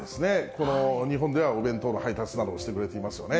この日本ではお弁当の配達などをしてくれていますよね。